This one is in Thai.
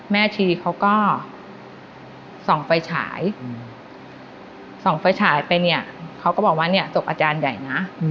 แม่ชีเขาก็ส่องไฟฉายส่องไฟฉายไปเนี่ยเขาก็บอกว่าเนี่ยศพอาจารย์ใหญ่นะ